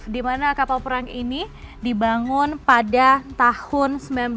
dimana kapal perang ini dibangun pada tahun seribu sembilan ratus delapan puluh empat